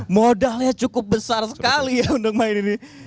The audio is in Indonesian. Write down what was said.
modalnya cukup besar sekali ya untuk main ini